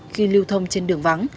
khi lưu thông trên đường vắng